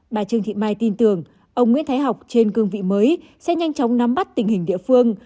bà trương thị mai tin tưởng ông nguyễn thái học trên cương vị mới sẽ nhanh chóng nắm bắt tình hình địa phương